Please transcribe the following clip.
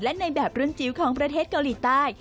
และในแบบรุ่นจิ๋วของประเทศเกาหลีใต้